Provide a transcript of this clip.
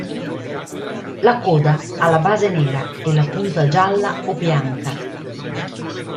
La coda ha la base nera e la punta gialla o bianca.